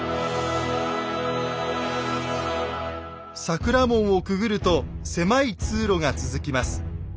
桜門をくぐると狭い通路が続きます。